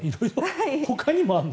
ほかにもあるの？